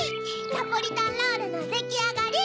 ナポリタンロールのできあがり！